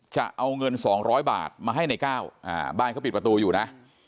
จะเอาเงิน๒๐๐บาทมาให้ในก้าวบ้านเขาปิดประตูอยู่นะ